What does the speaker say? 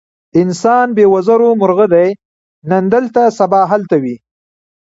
انسان بې وزرو مرغه دی، نن دلته سبا هلته وي.